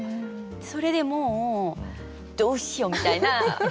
それでもうどうしようみたいな。